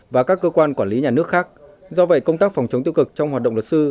và các cơ quan quản lý nhà nước khác do vậy công tác phòng chống tiêu cực trong hoạt động luật sư